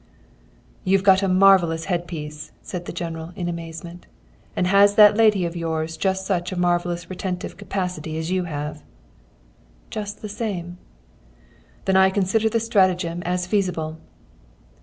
"'You've got a marvellous headpiece,' said the General, in amazement. 'And has that lady of yours just such a marvellously retentive capacity as you have?' "'Just the same.' "'Then I consider the stratagem as feasible.'"